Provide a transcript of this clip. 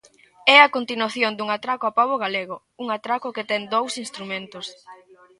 É a continuación dun atraco ao pobo galego; un atraco que ten dous instrumentos.